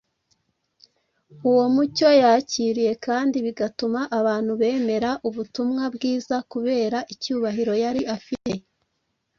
uwo mucyo yakiriye kandi bigatuma abantu bemera ubutumwa bwiza kubera icyubahiro yari afite.